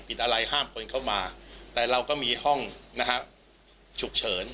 อะไรห้ามคนเข้ามาแต่เราก็มีห้องนะฮะฉุกเฉิน